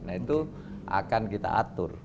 nah itu akan kita atur